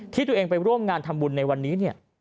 ที่ตัวเองไปร่วมงานทำบุญในวันนี้เนี่ย